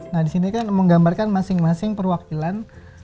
nah disini kan menggambarkan masing masing perwakilan